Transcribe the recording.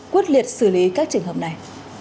quốc liệt xử lý các trường hợp này